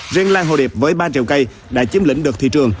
riêng lan hồ điệp với ba triệu cây đã chiếm lĩnh được thị trường